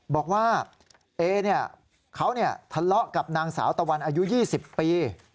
บอกว่าเอเนี่ยเขาทะเลาะกับนางสาวตะวันอายุ๒๐ปี